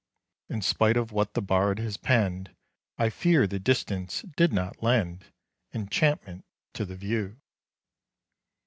In spite of what the bard has penned, I fear the distance did not "lend Enchantment to the view."